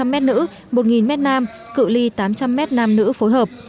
một m nữ một m nam cự li tám trăm linh m nam nữ phối hợp